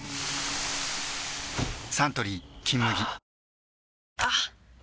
サントリー「金麦」あっ！